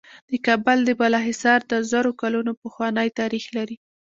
د کابل د بالا حصار د زرو کلونو پخوانی تاریخ لري